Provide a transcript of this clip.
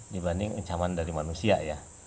dibanding ancaman dari manusia ya